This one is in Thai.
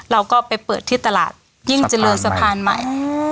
เราก็ไปเปิดที่ตลาดยิ่งเจริญสะพานใหม่